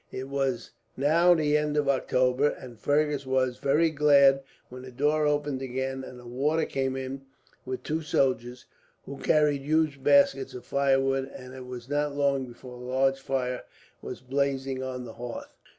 It was now the end of October, and Fergus was very glad when the door opened again, and a warder came in with two soldiers, who carried huge baskets of firewood; and it was not long before a large fire was blazing on the hearth.